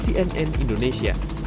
tim liputan cnn indonesia